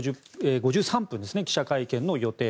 ５３分、記者会見の予定。